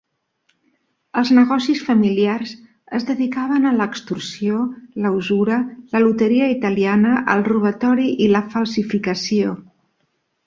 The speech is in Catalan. Els negocis familiars es dedicaven a l'extorsió, la usura, la loteria italiana, el robatori i la falsificació.